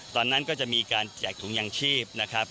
ตอนนั้นก็จะมีการแจกถุงยางชีพนะครับ